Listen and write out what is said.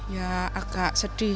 ya agak sedih